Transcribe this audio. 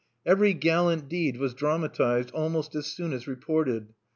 Every gallant deed was dramatized almost as soon as reported.